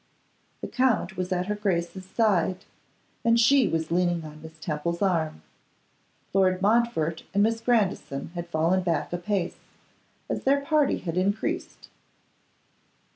The Count was at her Grace's side, and she was leaning on Miss Temple's arm. Lord Montfort and Miss Grandison had fallen back apace, as their party had increased.